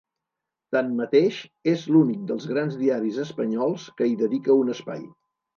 Tanmateix, és l’únic dels grans diaris espanyols que hi dedica un espai.